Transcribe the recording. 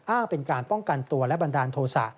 อ้างเป็นการป้องกันตัวและบันดาลโทษะ